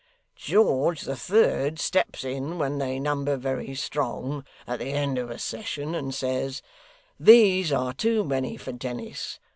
George the Third steps in when they number very strong at the end of a sessions, and says, "These are too many for Dennis.